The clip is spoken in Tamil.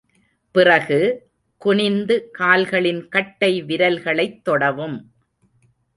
பிறகு, குனிந்து கால்களின் கட்டை விரல்களைத் தொடவும்.